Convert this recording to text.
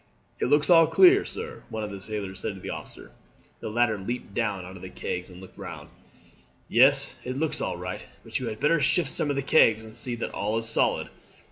"It looks all clear, sir," one of the sailors said to their officer. The latter leaped down on to the kegs and looked round. "Yes, it looks all right, but you had better shift some of the kegs and see that all is solid."